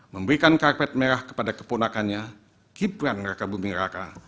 memberikan karpet merah kepada keponakannya gibran raka buming raka